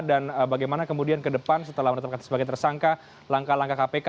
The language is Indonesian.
dan bagaimana kemudian ke depan setelah menetapkan sebagai tersangka langkah langkah kpk